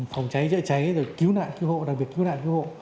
phòng cháy chữa cháy rồi cứu nạn cứu hộ đặc biệt cứu nạn cứu hộ